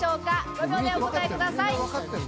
５秒でお答えください。